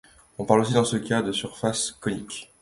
On parle aussi dans ce cas de surface conique.